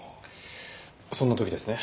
そんな時ですね？